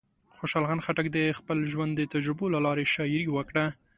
خوشحال خان خټک د خپل ژوند د تجربو له لارې شاعري وکړه.